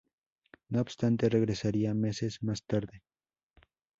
No obstante, regresaría meses más tarde.